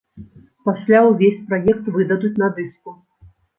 Пасля ўвесь праект выдадуць на дыску.